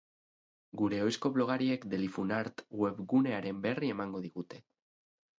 Gure ohizko blogariek delifunart webgunearen berri emango digute.